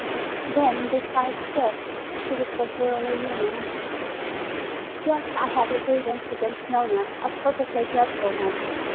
Then beside this, she was so thoroughly human. "Yes, I have a grievance against Nona, a perfectly dreadful one.